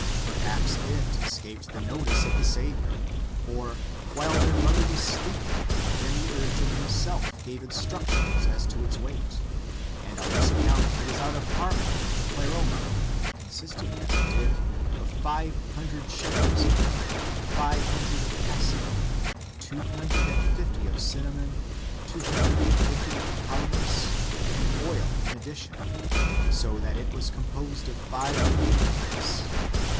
Perhaps it escaped the notice of the Saviour, or, while their Mother was sleeping, the Demiurge of himself gave instruc tions as to its weight; and on this account it is out of harmony with their Pleroma, consisting,^ as it did, of five hundred shekels of myrrh, five hundred of cassia, two hundred and fifty of cinnamon, two hundred and fifty of calamus, and oil in addition, so that it was composed of five ingredients.